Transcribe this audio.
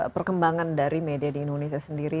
perkembangan dari media di indonesia sendiri